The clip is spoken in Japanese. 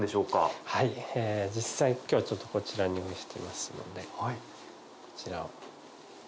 今日はこちらに用意してますのでこちらを。